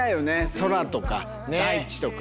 空とか大地とか。